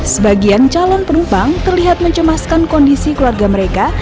sebagian calon penumpang terlihat mencemaskan kondisi keluarga mereka